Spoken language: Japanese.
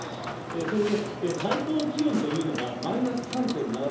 それで最高気温というのが、マイナス３．７度。